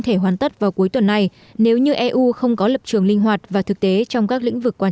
thể hoàn tất vào cuối tuần này nếu như eu không có lập trường linh hoạt và thực tế trong các lĩnh vực quan